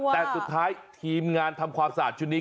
แต่สุดท้ายทีมงานทำความสะอาดชุดนี้